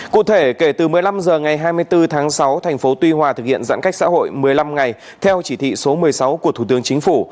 cụ thể kể từ một mươi năm h ngày hai mươi bốn tháng sáu thành phố tuy hòa thực hiện giãn cách xã hội một mươi năm ngày theo chỉ thị số một mươi sáu của thủ tướng chính phủ